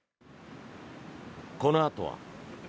このあとは。